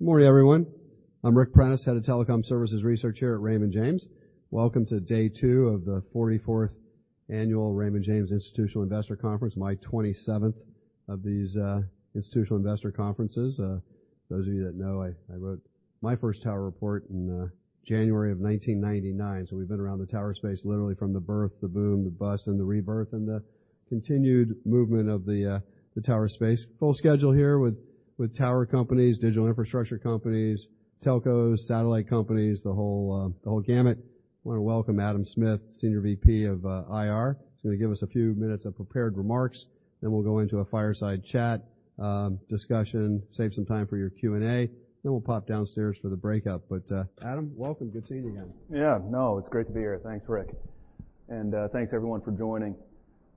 Good morning, everyone. I'm Ric Prentiss, Head of Telecom Services Research here at Raymond James. Welcome to day two of the 44th annual Raymond James Institutional Investor Conference, my 27th of these institutional investor conferences. Those of you that know, I wrote my first tower report in January of 1999. We've been around the tower space literally from the birth, the boom, the bust, and the rebirth, and the continued movement of the tower space. Full schedule here with tower companies, digital infrastructure companies, telcos, satellite companies, the whole gamut. I wanna welcome Adam Smith, Senior VP of IR. He's gonna give us a few minutes of prepared remarks, we'll go into a fireside chat, discussion, save some time for your Q&A, we'll pop downstairs for the breakout. Adam, welcome. Good seeing you again. Yeah. No, it's great to be here. Thanks, Ric. Thanks everyone for joining.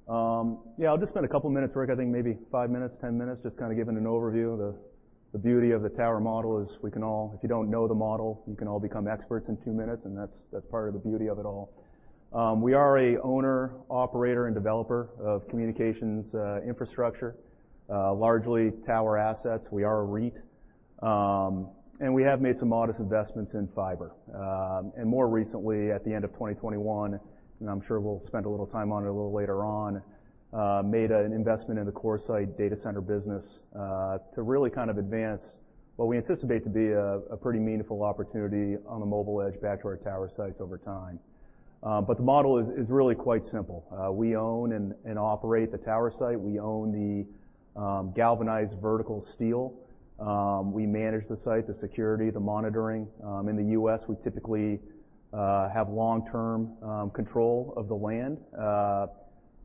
Yeah, I'll just spend a couple of minutes, Ric, I think maybe five minutes, 10 minutes, just kinda giving an overview. The beauty of the tower model is if you don't know the model, you can all become experts in two minutes, and that's part of the beauty of it all. We are a owner, operator, and developer of communications infrastructure, largely tower assets. We are a REIT. We have made some modest investments in fiber. More recently, at the end of 2021, and I'm sure we'll spend a little time on it a little later on, made an investment in the CoreSite data center business, to really kind of advance what we anticipate to be a pretty meaningful opportunity on the mobile edge back to our tower sites over time. The model is really quite simple. We own and operate the tower site. We own the galvanized vertical steel. We manage the site, the security, the monitoring. In the U.S., we typically have long-term control of the land.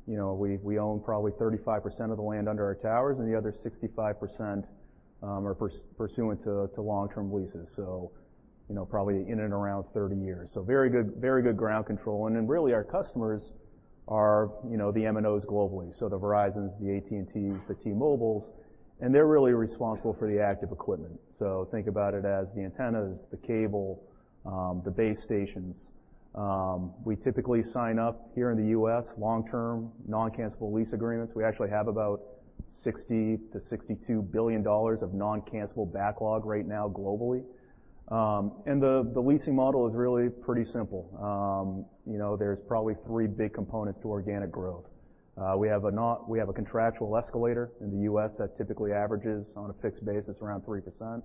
You know, we own probably 35% of the land under our towers, and the other 65% are pursuant to long-term leases. You know, probably in and around 30 years. Very good, very good ground control. Really, our customers are, you know, the MNOs globally. The Verizons, the AT&Ts, the T-Mobiles, and they're really responsible for the active equipment. Think about it as the antennas, the cable, the base stations. We typically sign up here in the U.S. long-term, non-cancellable lease agreements. We actually have about $60 billion-$62 billion of non-cancellable backlog right now globally. The leasing model is really pretty simple. You know, there's probably three big components to organic growth. We have a contractual escalator in the U.S. that typically averages on a fixed basis around 3%.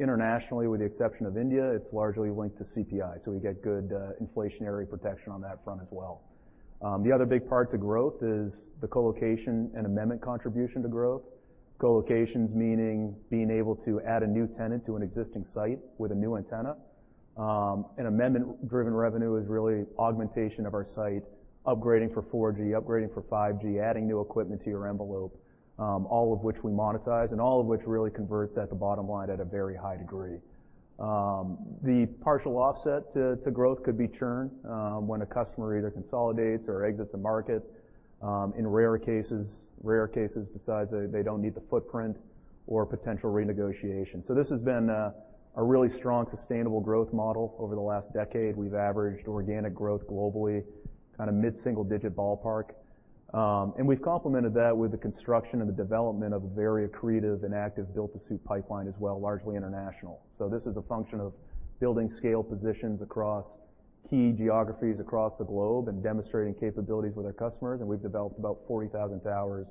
Internationally, with the exception of India, it's largely linked to CPI, so we get good inflationary protection on that front as well. The other big part to growth is the co-location and amendment contribution to growth. Co-locations meaning being able to add a new tenant to an existing site with a new antenna. Amendment-driven revenue is really augmentation of our site, upgrading for 4G, upgrading for 5G, adding new equipment to your envelope, all of which we monetize, and all of which really converts at the bottom line at a very high degree. The partial offset to growth could be churn when a customer either consolidates or exits a market, in rare cases, decides they don't need the footprint or potential renegotiation. This has been a really strong, sustainable growth model. Over the last decade, we've averaged organic growth globally, kinda mid-single digit ballpark. We've complemented that with the construction and the development of a very accretive and active built-to-suit pipeline as well, largely international. This is a function of building scale positions across key geographies across the globe and demonstrating capabilities with our customers, and we've developed about 40,000 towers,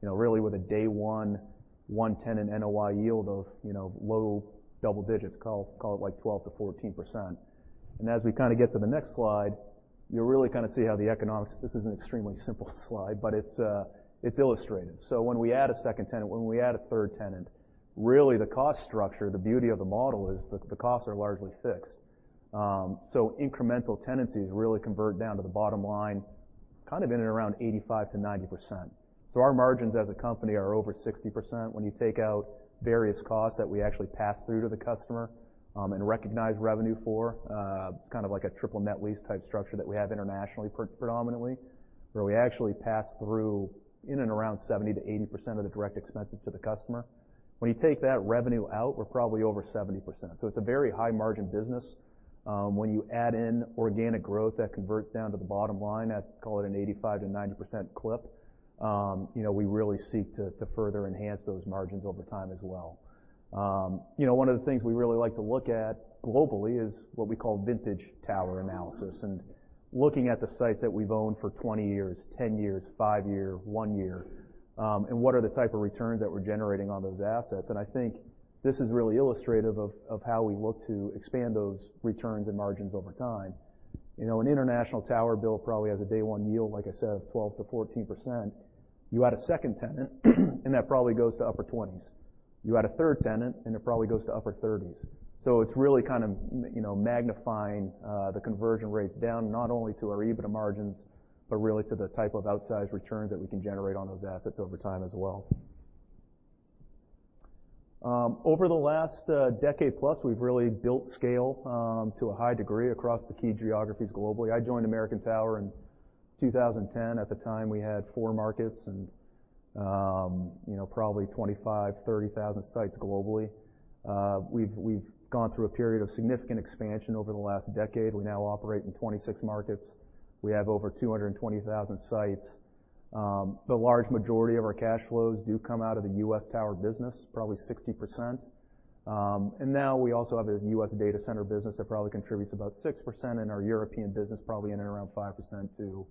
you know, really with a day one tenant NOI yield of, you know, low double digits, call it like 12%-14%. As we kinda get to the next slide, you'll really kinda see how the economics. This is an extremely simple slide, but it's illustrative. When we add a second tenant, when we add a third tenant, really the cost structure, the beauty of the model is the costs are largely fixed. Incremental tenancies really convert down to the bottom line, kind of in and around 85%-90%. Our margins as a company are over 60% when you take out various costs that we actually pass through to the customer and recognize revenue for. It's kind of like a triple net lease type structure that we have internationally predominantly, where we actually pass through in and around 70%-80% of the direct expenses to the customer. When you take that revenue out, we're probably over 70%. It's a very high margin business. When you add in organic growth, that converts down to the bottom line at, call it an 85%-90% clip. You know, we really seek to further enhance those margins over time as well. You know, one of the things we really like to look at globally is what we call vintage tower analysis, and looking at the sites that we've owned for 20 years, 10 years, 5 year, 1 year, and what are the type of returns that we're generating on those assets. I think this is really illustrative of how we look to expand those returns and margins over time. You know, an international tower build probably has a day one yield, like I said, of 12%-14%. You add a second tenant, that probably goes to upper 20s. You add a third tenant, it probably goes to upper 30s. It's really kind of you know, magnifying the conversion rates down not only to our EBITDA margins, but really to the type of outsized returns that we can generate on those assets over time as well. Over the last decade plus, we've really built scale to a high degree across the key geographies globally. I joined American Tower in 2010. At the time, we had 4 markets and you know, probably 25, 30 thousand sites globally. We've gone through a period of significant expansion over the last decade. We now operate in 26 markets. We have over 220,000 sites. The large majority of our cash flows do come out of the U.S. tower business, probably 60%. Now we also have a U.S. data center business that probably contributes about 6%, and our European business probably in and around 5% to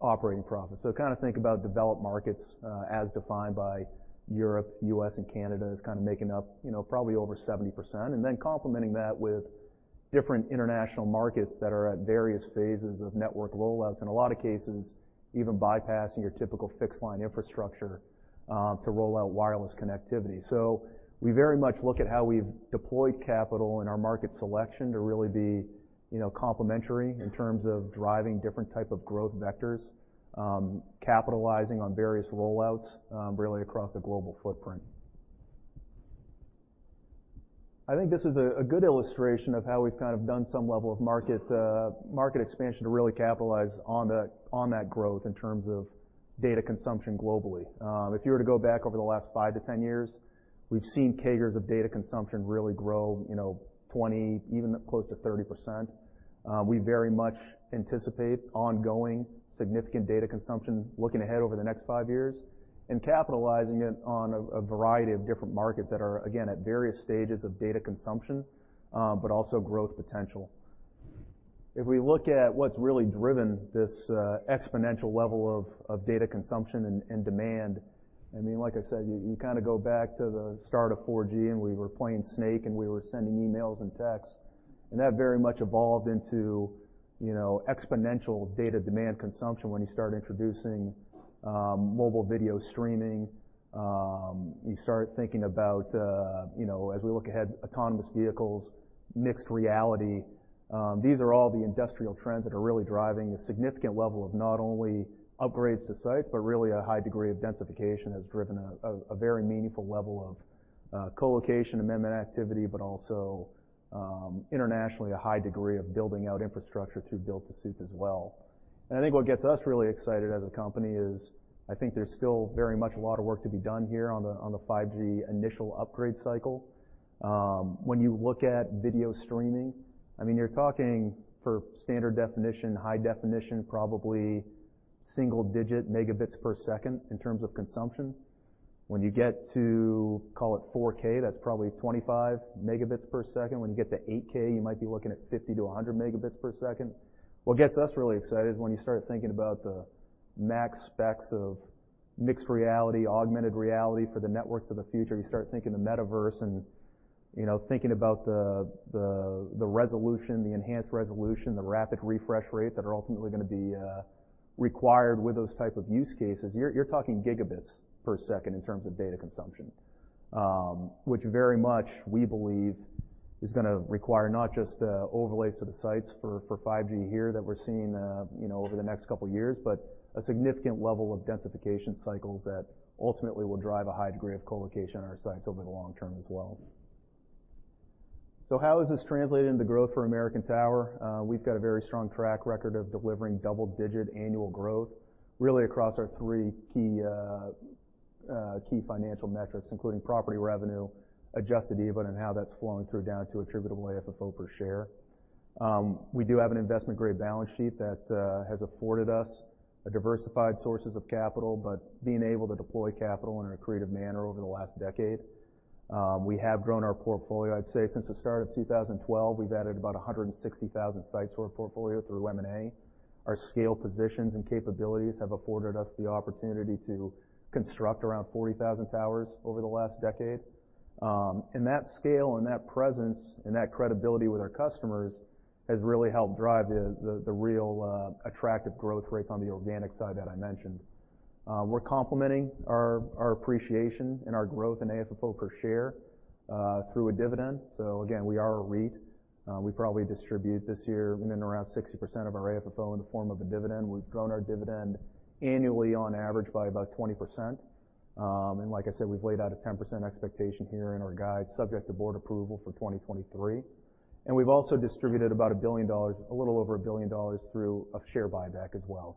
operating profits. Kind of think about developed markets as defined by Europe, U.S., and Canada as kind of making up, you know, probably over 70%, and then complementing that with different international markets that are at various phases of network rollouts, in a lot of cases, even bypassing your typical fixed line infrastructure to roll out wireless connectivity. We very much look at how we've deployed capital in our market selection to really be, you know, complementary in terms of driving different type of growth vectors, capitalizing on various rollouts really across the global footprint. I think this is a good illustration of how we've kind of done some level of market expansion to really capitalize on that, on that growth in terms of data consumption globally. If you were to go back over the last five to 10 years, we've seen CAGRs of data consumption really grow, you know, 20, even close to 30%. We very much anticipate ongoing significant data consumption looking ahead over the next five years and capitalizing it on a variety of different markets that are, again, at various stages of data consumption, but also growth potential. If we look at what's really driven this exponential level of data consumption and demand, I mean, like I said, you kinda go back to the start of 4G, and we were playing Snake, and we were sending emails and texts, and that very much evolved into, you know, exponential data demand consumption when you start introducing mobile video streaming. You start thinking about, you know, as we look ahead, autonomous vehicles, mixed reality. These are all the industrial trends that are really driving a significant level of not only upgrades to sites, but really a high degree of densification has driven a very meaningful level of co-location amendment activity, but also internationally, a high degree of building out infrastructure through built-to-suits as well. I think what gets us really excited as a company is I think there's still very much a lot of work to be done here on the 5G initial upgrade cycle. When you look at video streaming, I mean, you're talking for standard definition, high definition, probably single digit megabits per second in terms of consumption. When you get to, call it 4K, that's probably 25 Mbps. When you get to 8K, you might be looking at 50 to 100 Mbps. What gets us really excited is when you start thinking about the max specs of mixed reality, augmented reality for the networks of the future, you start thinking the Metaverse and, you know, thinking about the resolution, the enhanced resolution, the rapid refresh rates that are ultimately gonna be required with those type of use cases. You're talking gigabits per second in terms of data consumption, which very much we believe is gonna require not just overlays to the sites for 5G here that we're seeing, you know, over the next couple years, but a significant level of densification cycles that ultimately will drive a high degree of co-location on our sites over the long term as well. How is this translating into growth for American Tower? We've got a very strong track record of delivering double-digit annual growth really across our three key financial metrics, including property revenue, Adjusted EBITDA, and how that's flowing through down to attributable AFFO per share. We do have an investment-grade balance sheet that has afforded us a diversified sources of capital, being able to deploy capital in an accretive manner over the last decade. We have grown our portfolio. I'd say since the start of 2012, we've added about 160,000 sites to our portfolio through M&A. Our scale positions and capabilities have afforded us the opportunity to construct around 40,000 towers over the last decade. That scale, and that presence, and that credibility with our customers has really helped drive the real attractive growth rates on the organic side that I mentioned. We're complementing our appreciation and our growth in AFFO per share through a dividend. Again, we are a REIT. We probably distribute this year in and around 60% of our AFFO in the form of a dividend. We've grown our dividend annually on average by about 20%. Like I said, we've laid out a 10% expectation here in our guide subject to board approval for 2023. We've also distributed about $1 billion, a little over $1 billion through a share buyback as well.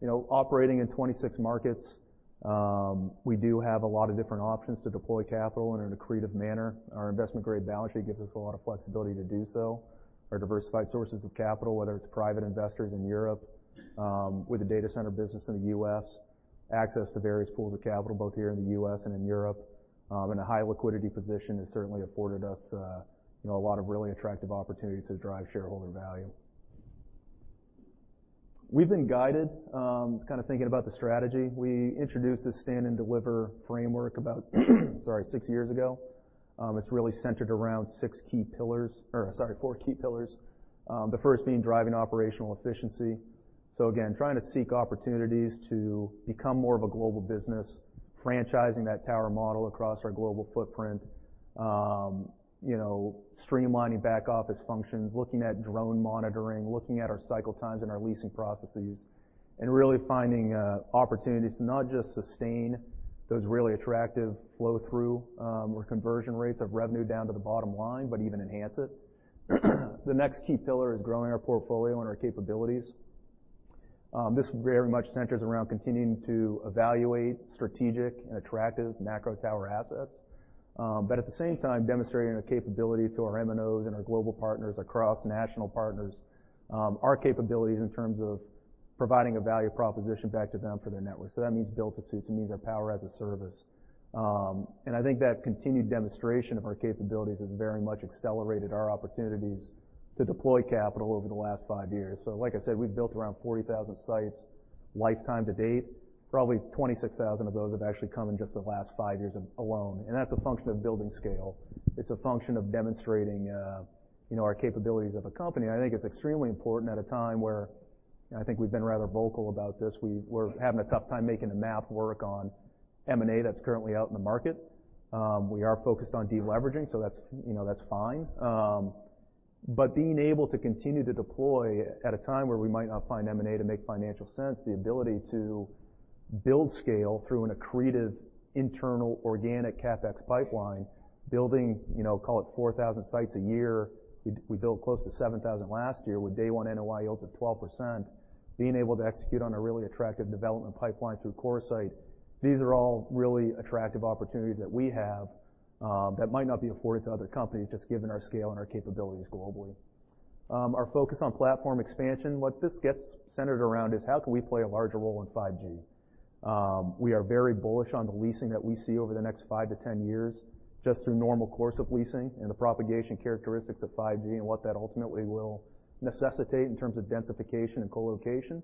You know, operating in 26 markets, we do have a lot of different options to deploy capital in an accretive manner. Our investment-grade balance sheet gives us a lot of flexibility to do so. Our diversified sources of capital, whether it's private investors in Europe, with the data center business in the US, access to various pools of capital, both here in the US and in Europe, in a high liquidity position has certainly afforded us, you know, a lot of really attractive opportunity to drive shareholder value. We've been guided, kind of thinking about the strategy. We introduced a Stand and Deliver framework about sorry, 6 years ago. It's really centered around 6 key pillars, or sorry, 4 key pillars. The first being driving operational efficiency. Again, trying to seek opportunities to become more of a global business, franchising that tower model across our global footprint, you know, streamlining back-office functions, looking at drone monitoring, looking at our cycle times and our leasing processes, really finding opportunities to not just sustain those really attractive flow-through, or conversion rates of revenue down to the bottom line, but even enhance it. The next key pillar is growing our portfolio and our capabilities. This very much centers around continuing to evaluate strategic and attractive macro tower assets. At the same time demonstrating our capability to our MNOs and our global partners across national partners, our capabilities in terms of providing a value proposition back to them for their network. That means built-to-suits, it means our power as a service. I think that continued demonstration of our capabilities has very much accelerated our opportunities to deploy capital over the last five years. Like I said, we've built around 40,000 sites lifetime to date. Probably 26,000 of those have actually come in just the last five years alone. That's a function of building scale. It's a function of demonstrating, you know, our capabilities of a company. I think it's extremely important at a time where, and I think we've been rather vocal about this, we're having a tough time making the math work on M&A that's currently out in the market. We are focused on deleveraging, so that's, you know, that's fine. Being able to continue to deploy at a time where we might not find M&A to make financial sense, the ability to build scale through an accretive internal organic CapEx pipeline, building, you know, call it 4,000 sites a year. We built close to 7,000 last year with day one NOI yields of 12%. Being able to execute on a really attractive development pipeline through CoreSite. These are all really attractive opportunities that we have that might not be afforded to other companies, just given our scale and our capabilities globally. Our focus on platform expansion. What this gets centered around is how can we play a larger role in 5G. We are very bullish on the leasing that we see over the next five to 10 years just through normal course of leasing and the propagation characteristics of 5G and what that ultimately will necessitate in terms of densification and co-location.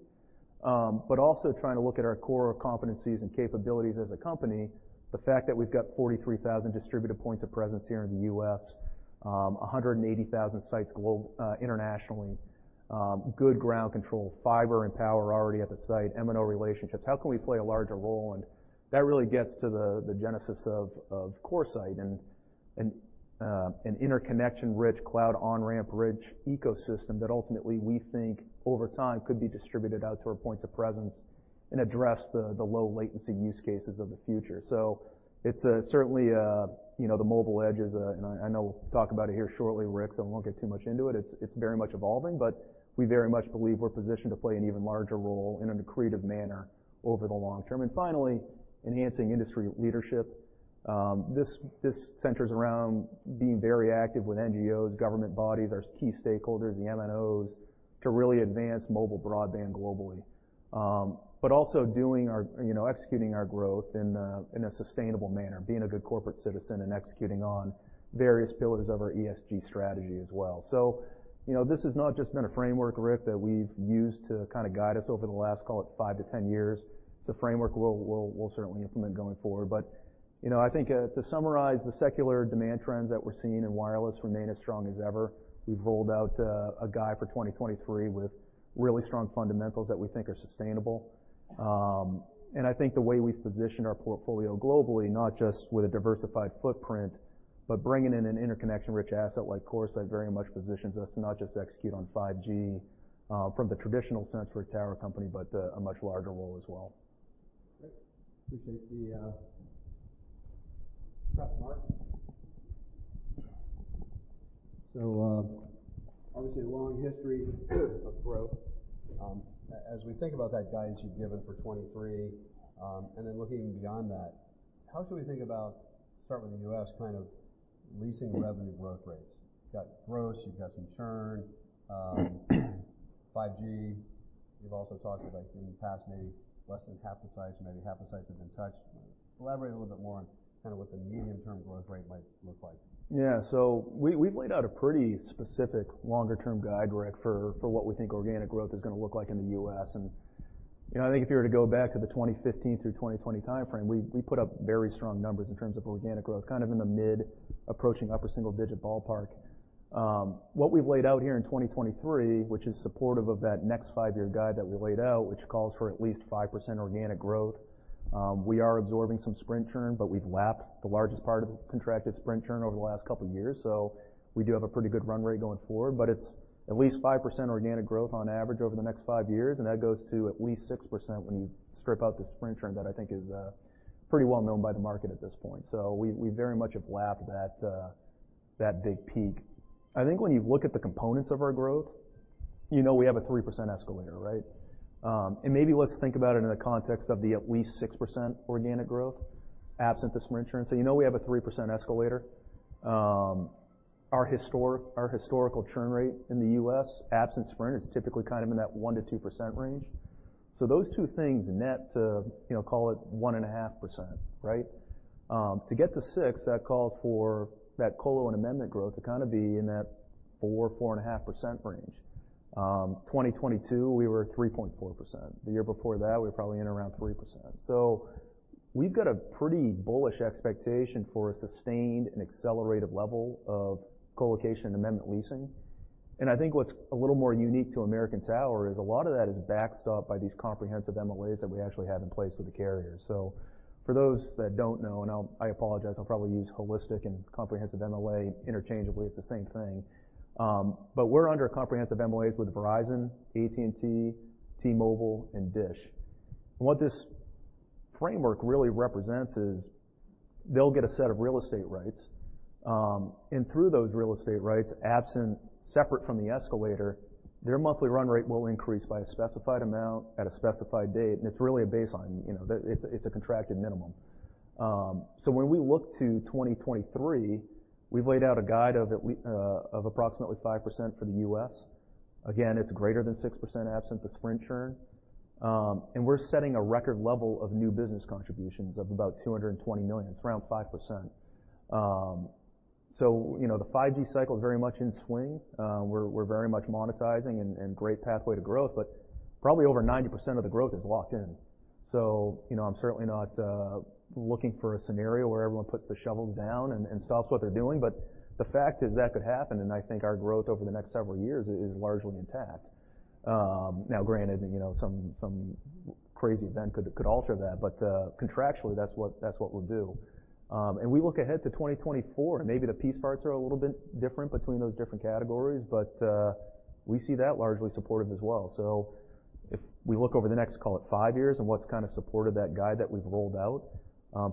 Also trying to look at our core competencies and capabilities as a company. The fact that we've got 43,000 distributed points of presence here in the U.S., 180,000 sites internationally, good ground control, fiber and power already at the site, M&O relationships. How can we play a larger role? That really gets to the genesis of CoreSite and an interconnection-rich cloud on-ramp rich ecosystem that ultimately we think over time could be distributed out to our points of presence and address the low latency use cases of the future. It's certainly, you know, the mobile edge is, and I know we'll talk about it here shortly, Ric, so I won't get too much into it. It's very much evolving, but we very much believe we're positioned to play an even larger role in an accretive manner over the long term. Finally, enhancing industry leadership. This centers around being very active with NGOs, government bodies, our key stakeholders, the MNOs, to really advance mobile broadband globally. Also doing our, you know, executing our growth in a sustainable manner, being a good corporate citizen and executing on various pillars of our ESG strategy as well. You know, this has not just been a framework, Ric, that we've used to kind of guide us over the last, call it 5-10 years. It's a framework we'll certainly implement going forward. You know, I think, to summarize the secular demand trends that we're seeing in wireless remain as strong as ever. We've rolled out a guide for 2023 with really strong fundamentals that we think are sustainable. I think the way we've positioned our portfolio globally, not just with a diversified footprint, but bringing in an interconnection-rich asset like CoreSite very much positions us to not just execute on 5G from the traditional sense for a tower company, but a much larger role as well. Great. Appreciate the prep, Adam. Obviously a long history of growth. As we think about that guidance you've given for 2023, and then looking even beyond that, how should we think about, start with the US, kind of leasing revenue growth rates? You've got gross, you've got some churn, 5G. You've also talked about in the past, maybe less than half the sites or maybe half the sites have been touched. Elaborate a little bit more on kind of what the medium-term growth rate might look like. Yeah. We've laid out a pretty specific longer-term guide, Ric, for what we think organic growth is gonna look like in the U.S. You know, I think if you were to go back to the 2015 through 2020 timeframe, we put up very strong numbers in terms of organic growth, kind of in the mid approaching upper single-digit ballpark. What we've laid out here in 2023, which is supportive of that next five-year guide that we laid out, which calls for at least 5% organic growth, we are absorbing some Sprint churn, but we've lapped the largest part of contracted Sprint churn over the last couple of years. We do have a pretty good run rate going forward, but it's at least 5% organic growth on average over the next five years. That goes to at least 6% when you strip out the Sprint churn that I think is pretty well known by the market at this point. We very much have lapped that big peak. I think when you look at the components of our growth, you know we have a 3% escalator, right? Maybe let's think about it in the context of the at least 6% organic growth absent the Sprint churn. You know we have a 3% escalator. Our historical churn rate in the U.S. absent Sprint is typically kind of in that 1%-2% range. Those two things net to, you know, call it 1.5%, right? To get to 6, that calls for that colo and amendment growth to kind of be in that 4-4.5% range. 2022, we were at 3.4%. The year before that, we were probably in around 3%. We've got a pretty bullish expectation for a sustained and accelerative level of co-location and amendment leasing. I think what's a little more unique to American Tower is a lot of that is backstopped by these comprehensive MOAs that we actually have in place with the carriers. For those that don't know, I apologize, I'll probably use holistic and comprehensive MOA interchangeably. It's the same thing. We're under comprehensive MOAs with Verizon, AT&T, T-Mobile, and Dish. What this framework really represents is they'll get a set of real estate rights. Through those real estate rights, absent, separate from the escalator, their monthly run rate will increase by a specified amount at a specified date, and it's really a baseline. You know, it's a contracted minimum. When we look to 2023, we've laid out a guide of approximately 5% for the U.S. Again, it's greater than 6% absent the Sprint churn. We're setting a record level of new business contributions of about $220 million. It's around 5%. You know, the 5G cycle is very much in swing. We're very much monetizing and great pathway to growth, but probably over 90% of the growth is locked in. You know, I'm certainly not looking for a scenario where everyone puts the shovels down and stops what they're doing. The fact is that could happen, and I think our growth over the next several years is largely intact. Now granted, you know, some crazy event could alter that, but contractually, that's what we'll do. We look ahead to 2024, maybe the piece parts are a little bit different between those different categories, but we see that largely supportive as well. If we look over the next, call it, 5 years and what's kind of supported that guide that we've rolled out,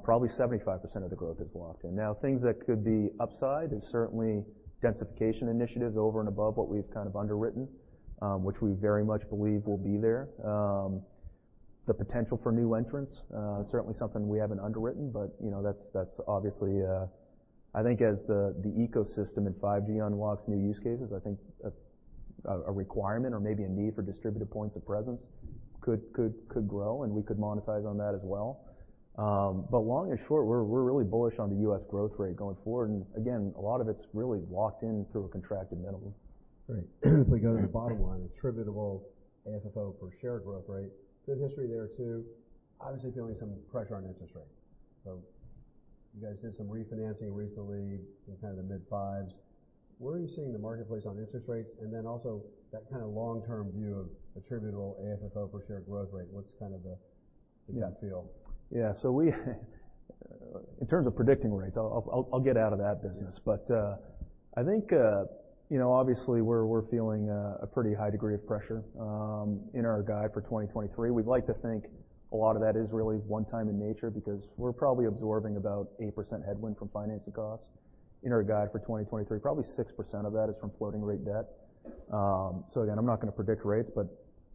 probably 75% of the growth is locked in. Things that could be upside is certainly densification initiatives over and above what we've kind of underwritten, which we very much believe will be there. The potential for new entrants is certainly something we haven't underwritten, you know, that's obviously, I think as the ecosystem in 5G unlocks new use cases, I think a requirement or maybe a need for distributed points of presence could grow, and we could monetize on that as well. Long and short, we're really bullish on the U.S. growth rate going forward. Again, a lot of it's really locked in through a contracted minimum. Great. If we go to the bottom line, attributable AFFO per share growth rate, good history there too. Obviously, feeling some pressure on interest rates. You guys did some refinancing recently in kind of the mid-fives. Where are you seeing the marketplace on interest rates? Also that kind of long-term view of attributable AFFO per share growth rate. Yeah. Give and feel? Yeah. We in terms of predicting rates, I'll get out of that business. I think, you know, obviously, we're feeling a pretty high degree of pressure in our guide for 2023. We'd like to think a lot of that is really one time in nature because we're probably absorbing about 8% headwind from financing costs in our guide for 2023. Probably 6% of that is from floating rate debt. Again, I'm not gonna predict rates, but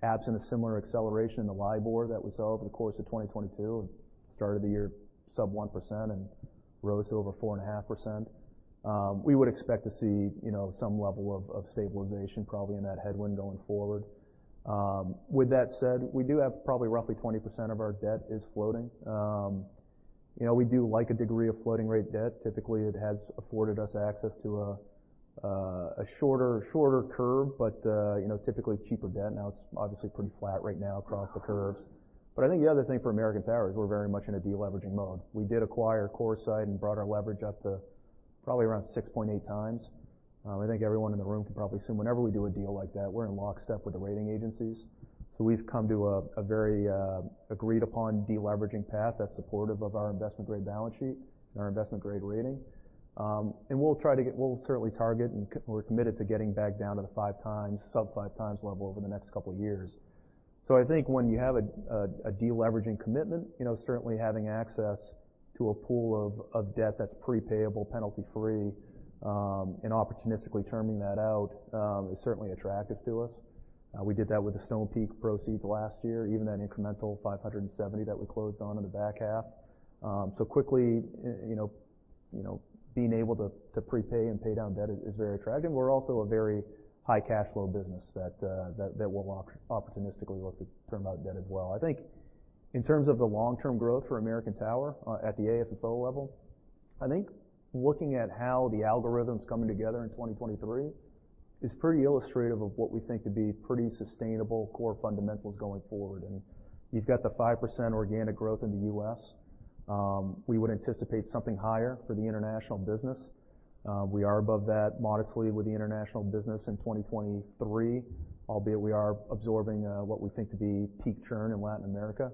absent a similar acceleration in the LIBOR that we saw over the course of 2022 and started the year sub 1% and rose over 4.5%, we would expect to see, you know, some level of stabilization probably in that headwind going forward. With that said, we do have probably roughly 20% of our debt is floating. You know, we do like a degree of floating rate debt. Typically, it has afforded us access to a shorter curve, but, you know, typically cheaper debt. It's obviously pretty flat right now across the curves. I think the other thing for American Tower is we're very much in a deleveraging mode. We did acquire CoreSite and brought our leverage up to probably around 6.8x I think everyone in the room can probably assume whenever we do a deal like that, we're in lockstep with the rating agencies. We've come to a very agreed-upon deleveraging path that's supportive of our investment-grade balance sheet and our investment-grade rating. We'll certainly target and we're committed to getting back down to the 5x, sub 5x level over the next couple of years. I think when you have a deleveraging commitment, you know, certainly having access to a pool of debt that's pre-payable, penalty-free, and opportunistically terming that out is certainly attractive to us. We did that with the Stonepeak proceeds last year, even that incremental $570 that we closed on in the back half. Quickly, you know, being able to prepay and pay down debt is very attractive. We're also a very high cash flow business that will opportunistically look to term out debt as well. I think in terms of the long-term growth for American Tower, at the AFFO level, I think looking at how the algorithm's coming together in 2023 is pretty illustrative of what we think to be pretty sustainable core fundamentals going forward. You've got the 5% organic growth in the U.S. We would anticipate something higher for the international business. We are above that modestly with the international business in 2023, albeit we are absorbing what we think to be peak churn in Latin America.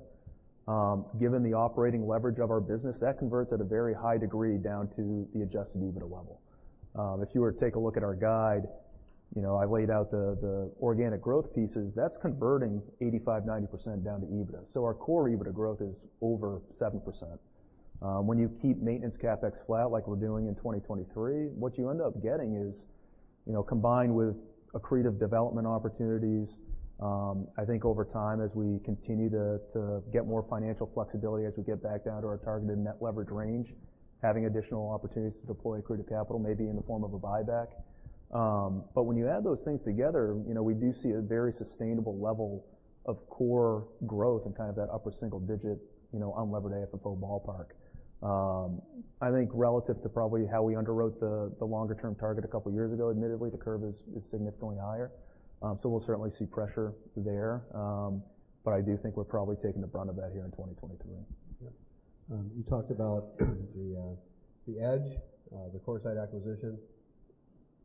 Given the operating leverage of our business, that converts at a very high degree down to the Adjusted EBITDA level. If you were to take a look at our guide, you know, I laid out the organic growth pieces. That's converting 85%-90% down to EBITDA. Our core EBITDA growth is over 7%. When you keep maintenance CapEx flat like we're doing in 2023, what you end up getting is, you know, combined with accretive development opportunities, I think over time, as we continue to get more financial flexibility as we get back down to our targeted net leverage range, having additional opportunities to deploy accretive capital maybe in the form of a buyback. When you add those things together, you know, we do see a very sustainable level of core growth and kind of that upper single digit, you know, unlevered AFFO ballpark. I think relative to probably how we underwrote the longer-term target a couple of years ago, admittedly, the curve is significantly higher. We'll certainly see pressure there. I do think we're probably taking the brunt of that here in 2023. Yeah. You talked about the edge, the CoreSite acquisition.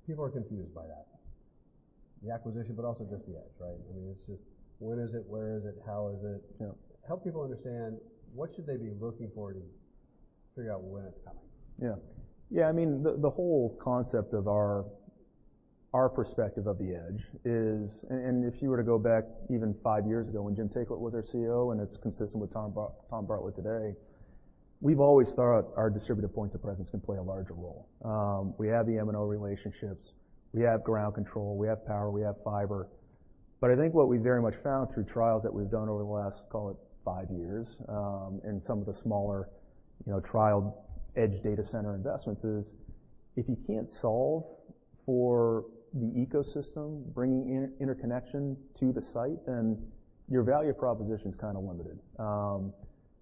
People are confused by that. The acquisition, but also just the edge, right? I mean, it's just when is it? Where is it? How is it? Yeah. Help people understand what should they be looking for to figure out when it's coming. Yeah. I mean, the whole concept of our perspective of the edge is and if you were to go back even 5 years ago when Jim Taiclet was our CEO, and it's consistent with Tom Bartlett today, we've always thought our distributive points of presence can play a larger role. We have the M&O relationships, we have ground control, we have power, we have fiber. I think what we very much found through trials that we've done over the last, call it, 5 years, in some of the smaller, you know, trial edge data center investments is, if you can't solve for the ecosystem, bringing interconnection to the site, then your value proposition is kinda limited.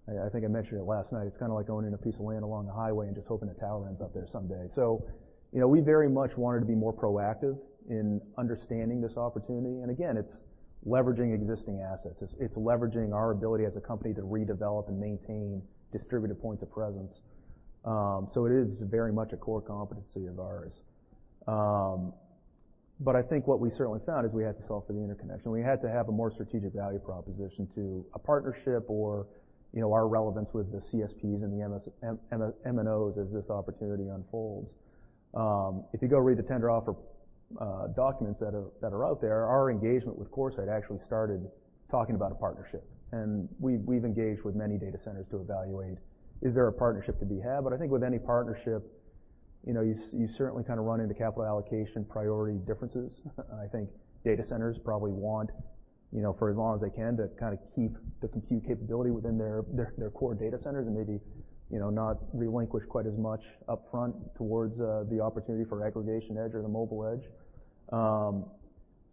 I think I mentioned it last night, it's kinda like owning a piece of land along the highway and just hoping a tower ends up there someday. You know, we very much wanted to be more proactive in understanding this opportunity. Again, it's leveraging existing assets. It's leveraging our ability as a company to redevelop and maintain distributive points of presence. It is very much a core competency of ours. I think what we certainly found is we had to solve for the interconnection. We had to have a more strategic value proposition to a partnership or, you know, our relevance with the CSPs and the MNOs as this opportunity unfolds. If you go read the tender offer documents that are out there, our engagement with CoreSite actually started talking about a partnership. We've engaged with many data centers to evaluate, is there a partnership to be had? I think with any partnership, you know, you certainly kinda run into capital allocation priority differences. I think data centers probably want, you know, for as long as they can, to kinda keep the compute capability within their core data centers and maybe, you know, not relinquish quite as much upfront towards the opportunity for aggregation edge or the mobile edge.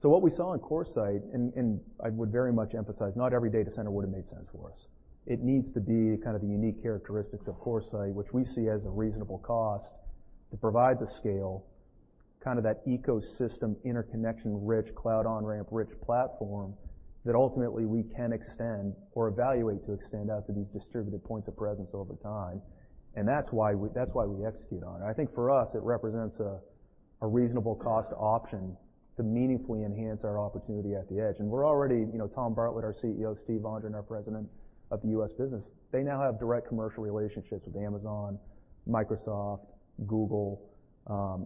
What we saw in CoreSite, and I would very much emphasize, not every data center would have made sense for us. It needs to be kind of the unique characteristics of CoreSite, which we see as a reasonable cost to provide the scale, kinda that ecosystem, interconnection-rich, cloud on-ramp-rich platform that ultimately we can extend or evaluate to extend out to these distributive points of presence over time. That's why we execute on it. I think for us, it represents a reasonable cost option to meaningfully enhance our opportunity at the edge. We're already, you know, Tom Bartlett, our CEO, Steve Vondran, our president of the U.S. business, they now have direct commercial relationships with Amazon, Microsoft, Google.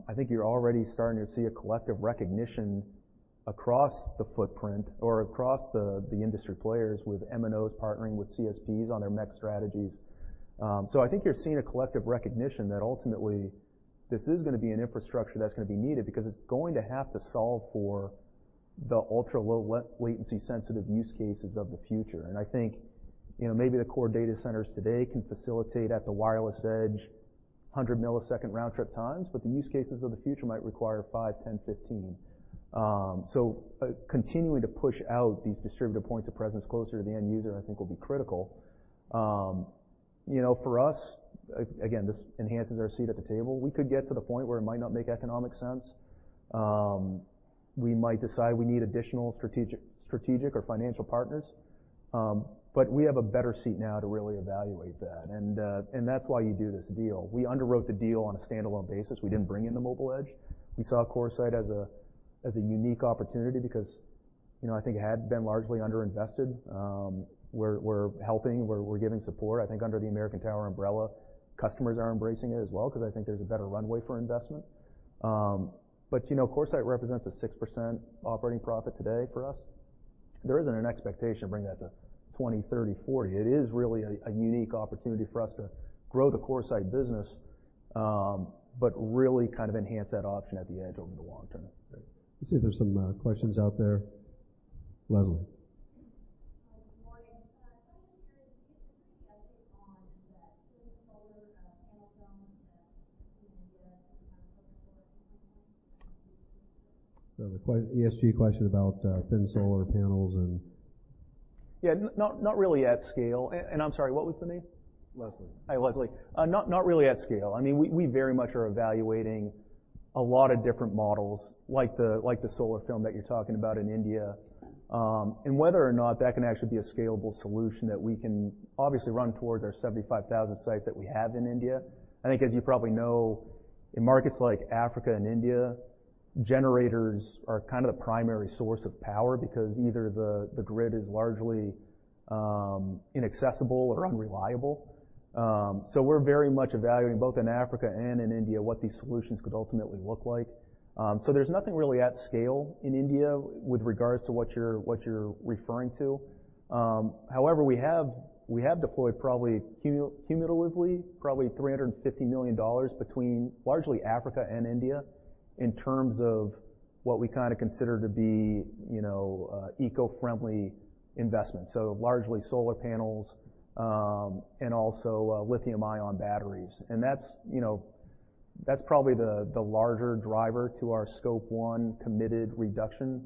I think you're already starting to see a collective recognition across the footprint or across the industry players with MNOs partnering with CSPs on their MEC strategies. I think you're seeing a collective recognition that ultimately this is gonna be an infrastructure that's gonna be needed because it's going to have to solve for the ultra-low latency sensitive use cases of the future. I think, you know, maybe the core data centers today can facilitate at the wireless edge 100-millisecond round trip times, but the use cases of the future might require 5, 10, 15. Continuing to push out these distributive points of presence closer to the end user, I think will be critical. You know, for us, again, this enhances our seat at the table. We could get to the point where it might not make economic sense. We might decide we need additional strategic or financial partners. We have a better seat now to really evaluate that. That's why you do this deal. We underwrote the deal on a standalone basis. We didn't bring in the mobile edge. We saw CoreSite as a unique opportunity because, you know, I think it had been largely underinvested. We're helping, we're giving support. I think under the American Tower umbrella, customers are embracing it as well because I think there's a better runway for investment. You know, CoreSite represents a 6% operating profit today for us. There isn't an expectation to bring that to 20%, 30%, 40%. It is really a unique opportunity for us to grow the CoreSite business, really kind of enhance that option at the edge over the long term. Let's see if there's some questions out there. Leslie. Good morning. I was wondering, do you have any updates on the thin solar panel films that we've seen in India a few times over the last few months? The ESG question about thin solar panels and... Yeah. Not really at scale. I'm sorry, what was the name? Leslie. Hi, Leslie. Not really at scale. I mean, we very much are evaluating a lot of different models like the solar film that you're talking about in India. Whether or not that can actually be a scalable solution that we can obviously run towards our 75,000 sites that we have in India. I think as you probably know, in markets like Africa and India, generators are kind of the primary source of power because either the grid is largely inaccessible or unreliable. We're very much evaluating both in Africa and in India what these solutions could ultimately look like. There's nothing really at scale in India with regards to what you're referring to. However, we have deployed cumulatively, probably $350 million between largely Africa and India in terms of what we kind of consider to be, you know, eco-friendly investments. Largely solar panels and also lithium-ion batteries. That's, you know, that's probably the larger driver to our Scope 1 committed reduction,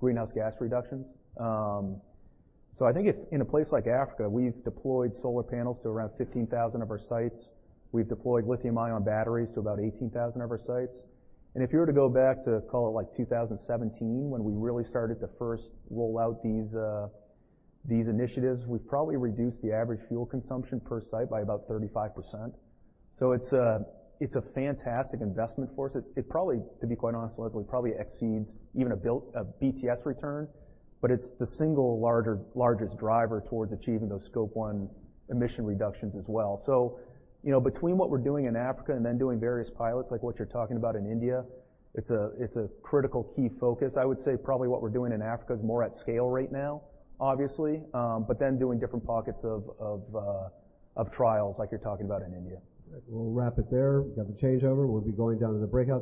greenhouse gas reductions. I think in a place like Africa, we've deployed solar panels to around 15,000 of our sites. We've deployed lithium-ion batteries to about 18,000 of our sites. If you were to go back to, call it like, 2017, when we really started to first roll out these initiatives, we've probably reduced the average fuel consumption per site by about 35%. It's a fantastic investment for us. It probably, to be quite honest, Leslie, probably exceeds even a BTS return, but it's the single largest driver towards achieving those Scope 1 emission reductions as well. You know, between what we're doing in Africa and then doing various pilots like what you're talking about in India, it's a, it's a critical key focus. I would say probably what we're doing in Africa is more at scale right now, obviously, doing different pockets of trials like you're talking about in India. All right. We'll wrap it there. We've got the changeover. We'll be going down to the breakout rooms.